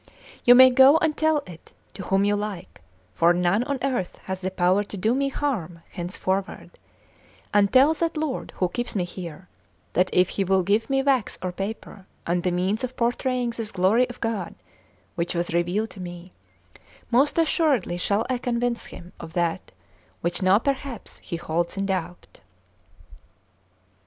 You may go and tell it to whom you like; for none on earth has the power to do me harm henceforward; and tell that lord who keeps me here, that if he will give me wax or paper and the means of portraying this glory of God which was revealed to me, most assuredly shall I convince him of that which now perhaps he holds in doubt."